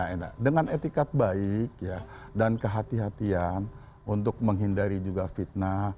untuk itu kita harus memiliki etikat baik dan kehati hatian untuk menghindari fitnah